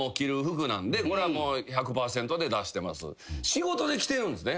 「仕事で着てるんですね？」